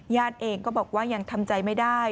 เองก็บอกว่ายังทำใจไม่ได้